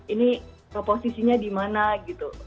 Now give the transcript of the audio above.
ini posisinya dimana gitu